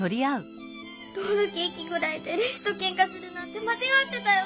ロールケーキぐらいでレスとけんかするなんてまちがってたよ。